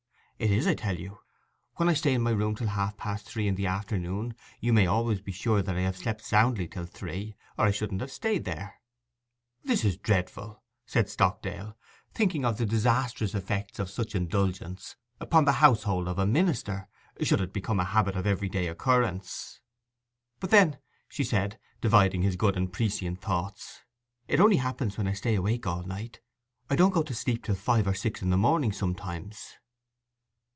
'It is, I tell you. When I stay in my room till half past three in the afternoon, you may always be sure that I slept soundly till three, or I shouldn't have stayed there.' 'It is dreadful,' said Stockdale, thinking of the disastrous effects of such indulgence upon the household of a minister, should it become a habit of everyday occurrence. 'But then,' she said, divining his good and prescient thoughts, 'it only happens when I stay awake all night. I don't go to sleep till five or six in the morning sometimes.